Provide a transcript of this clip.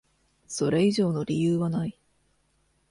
それ以上の理由はない。